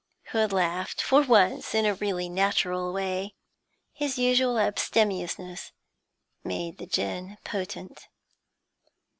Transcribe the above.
Hood laughed, for once in a really natural way. His usual abstemiousness made the gin potent.